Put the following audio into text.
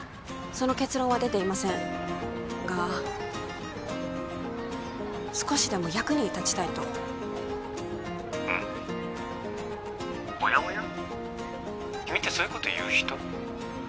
その結論は出ていませんが少しでも役に立ちたいと☎うんおやおや君ってそういうこと言う人？